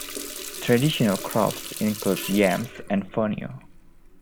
Traditional crops include yams and fonio.